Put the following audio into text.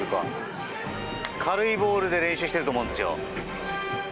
軽いボールで練習していると思うんですよ。